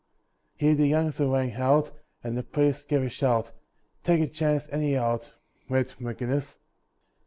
Here the youngster ran out, and the priest gave a shout— "Take your chance, anyhow, wid 'Maginnis'!"